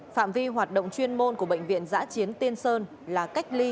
phạm vi hoạt động chuyên môn của bệnh viện giã chiến tiên sơn là cách ly